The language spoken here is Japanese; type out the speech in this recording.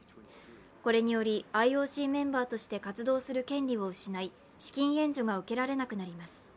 これによりＩＯＣメンバーとして活動する権利を失い、資金援助を受けられなくなります。